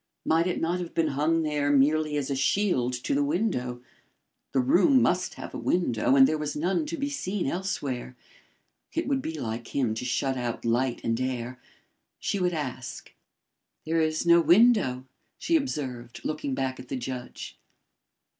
Might it not have been hung there merely as a shield to the window. The room must have a window and there was none to be seen elsewhere. It would be like him to shut out light and air. She would ask. "There is no window," she observed, looking back at the judge.